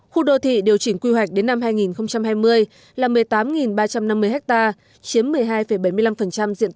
khu đô thị điều chỉnh quy hoạch đến năm hai nghìn hai mươi là một mươi tám ba trăm năm mươi ha chiếm một mươi hai bảy mươi năm diện tích